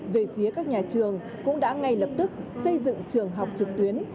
về phía các nhà trường cũng đã ngay lập tức xây dựng trường học trực tuyến